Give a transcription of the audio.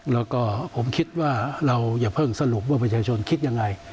แล้วก็ผมคิดว่าเราอย่าเพิ่งสรุปว่าประชาชนคิดยังไง